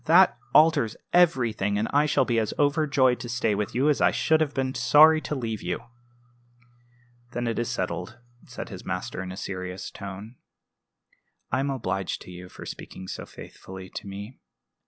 "That alters everything; and I shall be as overjoyed to stay with you as I should have been sorry to leave you." "Then that is settled," said his master, in a serious tone. "I am obliged to you for speaking so faithfully to me.